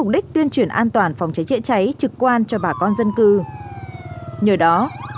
đặc biệt là những cái lúc mà có thể nó